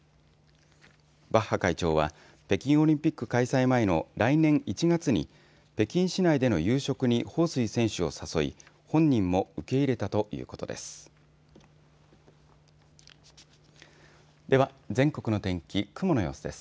バッハ会長は北京オリンピック開催前の来年１月に北京市内での夕食に彭帥選手を誘い、本人も受け入れたということです。